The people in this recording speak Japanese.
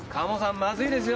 まずいですよ。